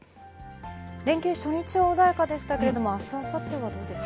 連休初日は穏やかでしたけれども、あす、あさってはどうですか。